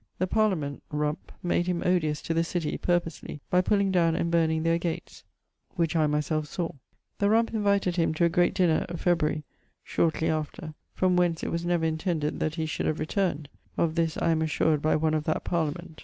The Parliament (Rumpe[XXX.]) made him odious to the citie, purposely, by pulling down and burning their gates (which I myselfe sawe). The Rumpe invited him to a great dinner, Febr. ... (shortly after); from whence it was never intended that he should have returned (of this I am assured by one of that Parliament).